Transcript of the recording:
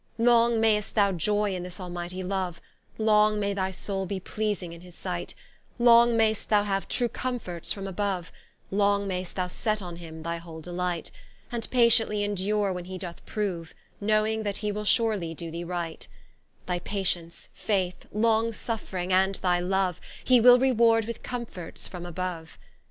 Long mai'st thou joy in this almightie love, Long may thy Soule be pleasing in his sight, Long mai'st thou have true comforts from above, Long mai'st thou set on him thy whole delight, And patiently endure when he doth proue, Knowing that He will surely do thee right: Thy patience, faith, long suffring, and thy love, He will reward with comforts from above.